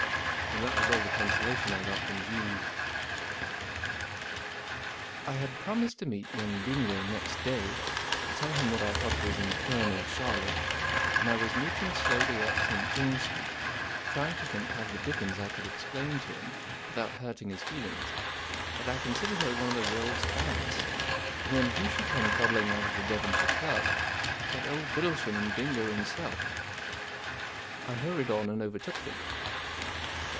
And that was all the consolation I got from Jeeves. I HAD promised to meet young Bingo next day, to tell him what I thought of his infernal Charlotte, and I was mooching slowly up St. James's Street, trying to think how the dickens I could explain to him. Digitized byC tOQ^Ic ^ 1 o without hurting his feelings, that I con¬ sidered her one of the world's foulest, when who should come toddling out of the Devon¬ shire Club but old Bittlesham and Bingo himself. I hurried on and overtook them.